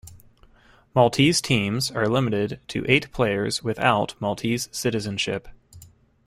Maltese teams are limited to eight players without Maltese citizenship.